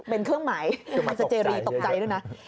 เป็นเครื่องหมายมันจะเจรีตกใจด้วยนะ